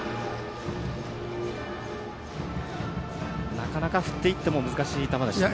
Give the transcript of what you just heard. なかなか振っていっても難しい球でしたね。